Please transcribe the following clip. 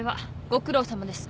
ご苦労さまです。